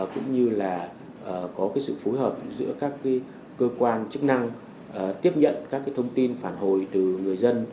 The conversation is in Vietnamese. cũng như là có sự phối hợp giữa các cơ quan chức năng tiếp nhận các thông tin phản hồi từ người dân